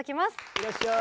いらっしゃい。